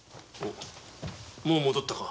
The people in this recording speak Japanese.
もう戻ったか！？